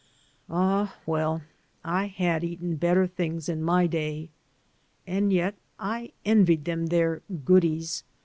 Ah» well, I had eaten better things in my day. And yet I envied them their "goodies."